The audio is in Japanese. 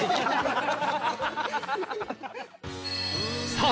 さあ